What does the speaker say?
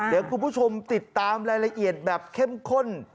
เดี๋ยวคุณผู้ชมติดตามรายละเอียดแบบเข้มข้น